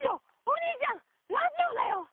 お兄ちゃんラジオだよ！